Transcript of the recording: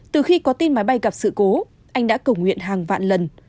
từ khi có tin máy bay gặp sự cố anh đã cầu nguyện hàng vạn lần